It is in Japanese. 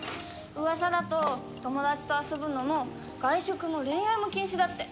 噂だと友達と遊ぶのも外食も恋愛も禁止だって。